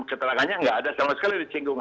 keterangannya nggak ada sama sekali di cinggung